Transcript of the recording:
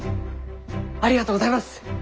ありがとうございます！